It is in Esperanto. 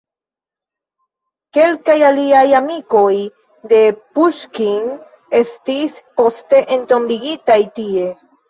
Kelkaj aliaj amikoj de Puŝkin estis poste entombigitaj tie.